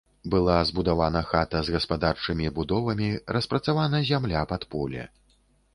Была збудавана хата з гаспадарчымі будовамі, распрацавана зямля пад поле.